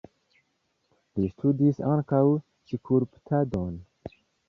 Li studis ankaŭ skulptadon.